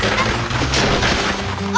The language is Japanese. あ！